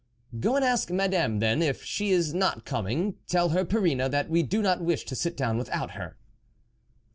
" Go and ask Madame, then, if she is not coming ; tell her, Perrine, that we do not wish to sit down without her."